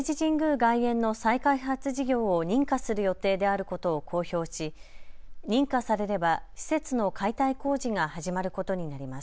外苑の再開発事業を認可する予定であることを公表し認可されれば施設の解体工事が始まることになります。